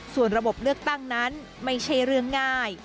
ส่วนระบบเลือกตั้งนั้นไม่ใช่เรื่องง่าย